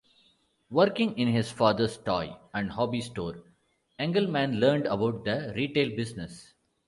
Working in his father's toy and hobby store, Engelman learned about the retail business.